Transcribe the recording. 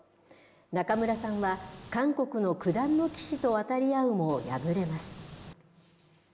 仲邑さんは韓国の九段の棋士とわたり合うも敗れます。